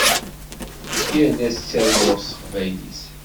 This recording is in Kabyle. Yal ass ttarguɣ s teqbaylit.